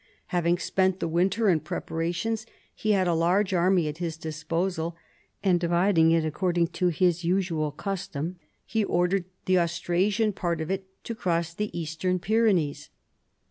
Having spent the winter in preparations lie had a large army at his disposal, and dividing it according to his usual custom, he ordered the Austrasian part of it to cross the Eastern Pyrenees.